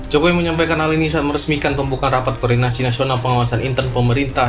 jokowi menyampaikan hal ini saat meresmikan pembukaan rapat koordinasi nasional pengawasan inter pemerintah